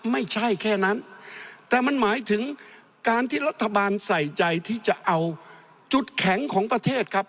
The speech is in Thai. ไม่ใช่แค่นั้นแต่มันหมายถึงการที่รัฐบาลใส่ใจที่จะเอาจุดแข็งของประเทศครับ